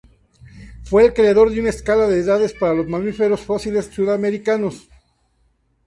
Fue el creador de una escala de edades para los mamíferos fósiles suramericanos.